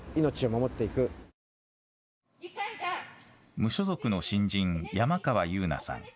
無所属の新人、山川裕菜さん。